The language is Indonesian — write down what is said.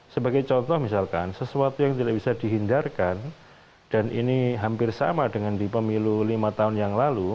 sebagai contoh misalkan sesuatu yang tidak bisa dihindarkan dan ini hampir sama dengan di pemilu lima tahun yang lalu